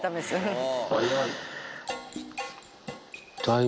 早い。